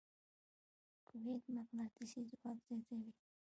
کویل مقناطیسي ځواک زیاتوي.